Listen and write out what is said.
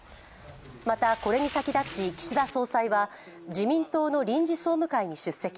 また、これに先立ち岸田総裁は、自民党の臨時総務会に出席。